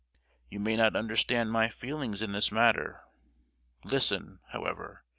You may not understand my feelings in this matter: listen, however.